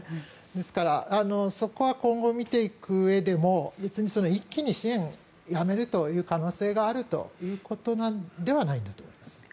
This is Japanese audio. ですからそこは今後見ていくうえでも別に一気に支援をやめるという可能性があるということではないんだと思います。